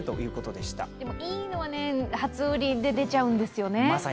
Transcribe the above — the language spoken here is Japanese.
でもいいのは初売りで出ちゃうんですよね。